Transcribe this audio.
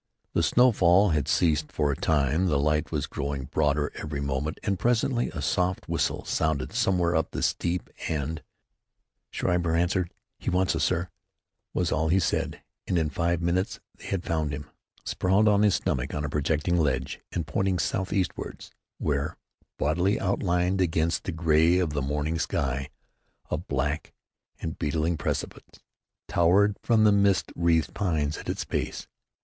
The snowfall had ceased for a time. The light was growing broader every moment, and presently a soft whistle sounded somewhere up the steep, and Schreiber answered. "He wants us, sir," was all he said, and in five minutes they had found him, sprawled on his stomach on a projecting ledge, and pointing southeastward, where, boldly outlined against the gray of the morning sky, a black and beetling precipice towered from the mist wreathed pines at its base.